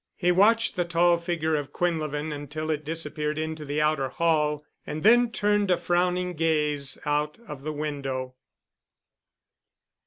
He watched the tall figure of Quinlevin until it disappeared into the outer hall and then turned a frowning gaze out of the window.